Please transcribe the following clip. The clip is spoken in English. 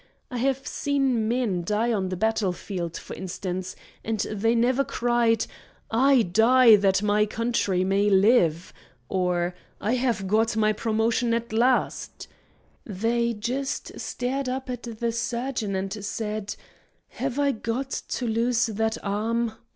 I have seen men die on the battle field, for instance, and they never cried, 'I die that my country may live,' or 'I have got my promotion at last;' they just stared up at the surgeon and said, 'Have I got to lose that arm?'